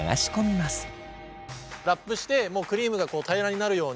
ラップしてクリームが平らになるように。